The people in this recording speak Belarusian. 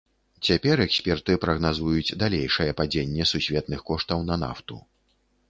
Цяпер эксперты прагназуюць далейшае падзенне сусветных коштаў на нафту.